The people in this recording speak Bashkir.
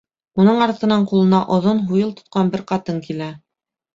Уның артынан ҡулына оҙон һуйыл тотҡан бер ҡатын килә.